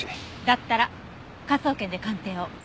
だったら科捜研で鑑定を。